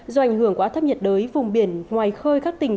do ảnh hưởng của áp thấp nhiệt đới vùng biển ngoài khơi các tỉnh